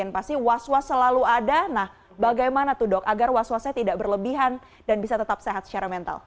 pasti was was selalu ada nah bagaimana tuh dok agar was wasnya tidak berlebihan dan bisa tetap sehat secara mental